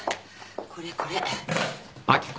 これこれ。